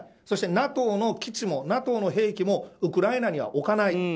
そしてＮＡＴＯの基地もＮＡＴＯの兵器もウクライナには置かない。